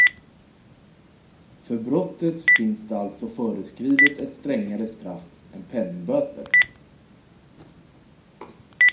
För brottet finns det alltså föreskrivet ett strängare straff än penningböter.